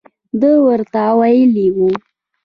ده ورته ویلي وو.